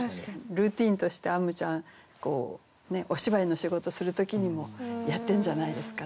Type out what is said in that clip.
ルーティーンとしてあむちゃんお芝居の仕事する時にもやってるんじゃないですかね。